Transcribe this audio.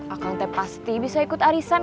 akan teh pasti bisa ikut arisan